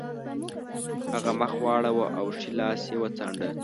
هغه مخ واړاوه او ښی لاس یې وڅانډه